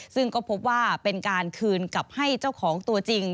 ซึ่งก็พบว่าเป็นการคืนกลับให้เจ้าของตัวจริง